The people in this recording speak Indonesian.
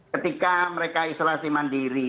ketika mereka isolasi mandiri